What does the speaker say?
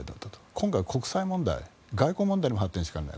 今回は国際問題外交問題に発展しかねない。